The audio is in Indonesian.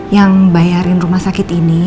yang bayarin rumah sakit ini